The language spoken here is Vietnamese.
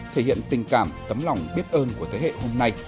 thể hiện tình cảm tấm lòng biết ơn của thế hệ hôm nay